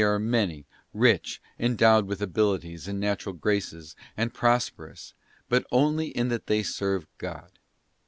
are many, rich, endowed with abilities and natural graces, and prosperous, but only in that they serve God.